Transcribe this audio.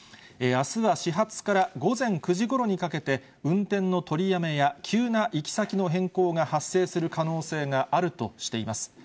あすは始発から午前９時ごろにかけて、運転の取りやめや、急な行き先の変更が発生する可能性があるとしています。